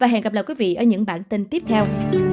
hẹn gặp lại quý vị ở những bản tin tiếp theo